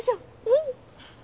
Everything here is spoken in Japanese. うん！